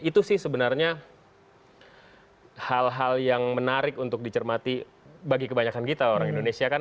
itu sih sebenarnya hal hal yang menarik untuk dicermati bagi kebanyakan kita orang indonesia kan